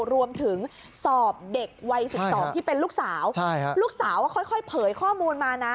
รวมถึงสอบเด็กวัย๑๒ที่เป็นลูกสาวลูกสาวก็ค่อยเผยข้อมูลมานะ